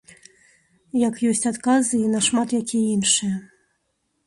Як ёсць адказы і на шмат якія іншыя.